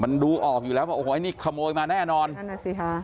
มันดูออกอยู่แล้วว่าโอ้โหไอ้นี่ขโมยมาแน่นอนนั่นน่ะสิค่ะ